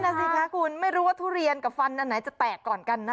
นั่นสิคะคุณไม่รู้ว่าทุเรียนกับฟันอันไหนจะแตกก่อนกันนะคะ